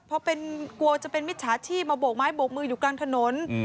เพราะกลัวจะเป็นมิจฉาชีพมาโบกไม้โบกมืออยู่กลางถนน